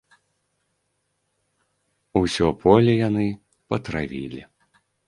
Усё поле яны патравілі.